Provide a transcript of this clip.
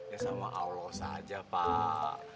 ya sama allah saja pak